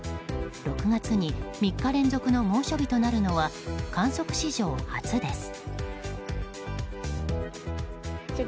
６月に３日連続の猛暑日となるのは観測史上初です。